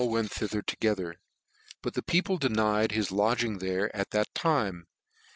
55 went thitber together; but the people denied his lodging t jc at that time. Mi